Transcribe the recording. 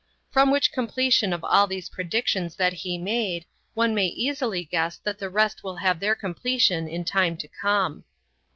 From which completion of all these predictions that he made, one may easily guess that the rest will have their completion in time to come.